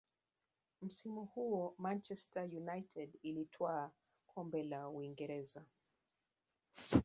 msimu huo manchester united ilitwaa kombe la uingereza